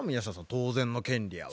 当然の権利やわ。